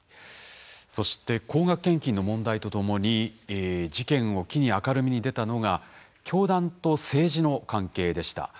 そして高額献金の問題とともに事件を機に明るみに出たのが教団と政治の関係でした。